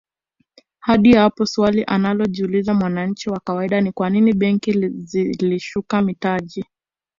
Hadi hapo swali analojiuliza mwananchi wa kawaida ni kwanini benki zilishuka mitaji